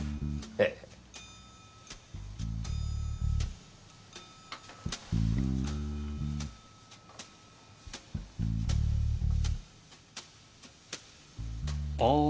ええ。ああ。